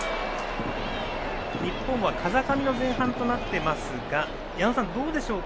日本は風上の前半となっていますが矢野さん、どうでしょう？